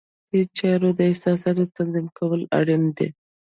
د ذاتي چارو د اساساتو تنظیم کول اړین دي.